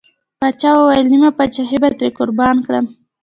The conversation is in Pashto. پاچا وويل: نيمه پاچاهي به ترې قربان کړم.